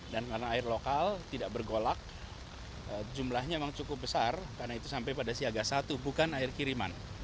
dan karena air lokal tidak bergolak jumlahnya memang cukup besar karena itu sampai pada siaga satu bukan air kiriman